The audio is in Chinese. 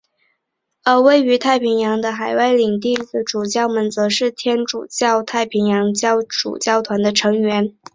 而位于太平洋的海外领地的主教们则是天主教太平洋主教团的成员。